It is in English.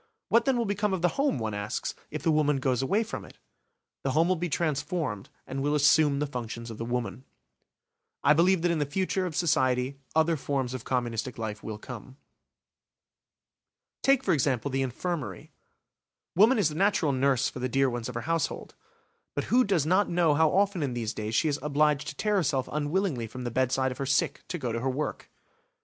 What then will become of the home, one asks, if the woman goes away from it? The home will be transformed and will assume the functions of the woman. I believe that in the future of society other forms of communistic life will come. Take, for example, the infirmary; woman is the natural nurse for the dear ones of her household. But who does not know how often in these days she is obliged to tear herself unwillingly from the bedside of her sick to go to her work?